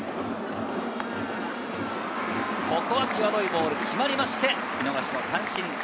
ここは際どいボール、決まりまして、見逃しの三振。